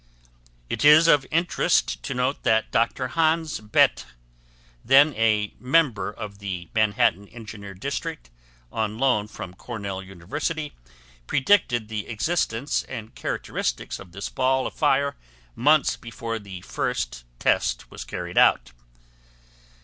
It is of interest to note that Dr. Hans Bethe, then a member of the Manhattan Engineer District on loan from Cornell University, predicted the existence and characteristics of this ball of fire months before the first test was carried out.